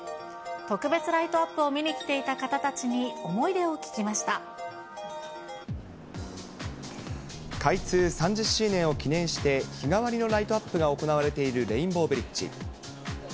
特別ライトアップを見に来て開通３０周年を記念して、日替わりのライトアップが行われているレインボーブリッジ。